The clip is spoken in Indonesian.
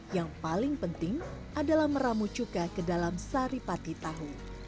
yang paling penting adalah meramu cuka ke dalam saripati tahu